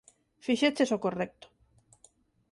Fixeches o correcto.